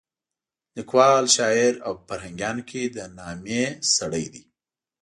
لیکوال، شاعر او په فرهنګیانو کې د نامې سړی دی.